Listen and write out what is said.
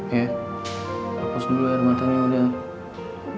ya lepas dulu air matanya udah